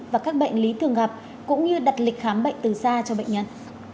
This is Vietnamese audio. và các bệnh lý thường gặp cũng như đặt lịch khám bệnh từ xa cho bệnh nhân